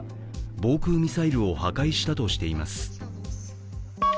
防空ミサイルを破壊したとしています。